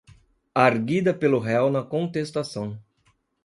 arguida pelo réu na contestação.